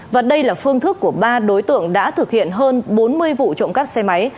và đây là phương thức của ba đối tượng đã thực hiện hơn bốn mươi vụ trộm cắp xe máy